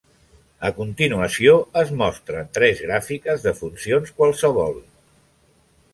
A continuació es mostren tres gràfiques de funcions qualssevol.